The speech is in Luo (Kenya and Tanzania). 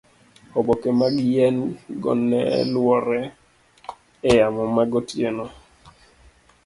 oboke mag yien go neluorre e yamo magotieno